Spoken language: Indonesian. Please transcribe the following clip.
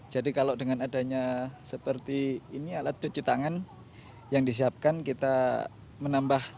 jadi kalau dengan adanya seperti ini alat cuci tangan yang disiapkan kita menambah